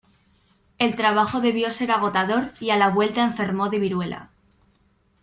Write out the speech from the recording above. El trabajo debió ser agotador y a la vuelta enfermó de viruela.